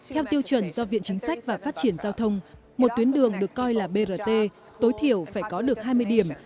theo tiêu chuẩn do viện chính sách và phát triển giao thông một tuyến đường được coi là brt tối thiểu phải có được hai mươi điểm